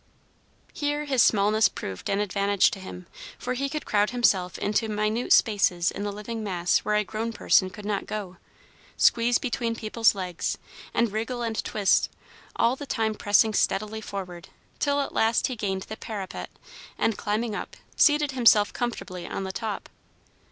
Here his smallness proved an advantage to him, for he could crowd himself into minute spaces in the living mass where a grown person could not go, squeeze between people's legs, and wriggle and twist, all the time pressing steadily forward, till at last he gained the parapet, and, climbing up, seated himself comfortably on the top.